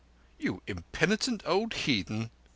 "You impenitent old heathen!"